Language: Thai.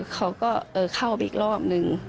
เขาก็เข้าไปอีกรอบนึง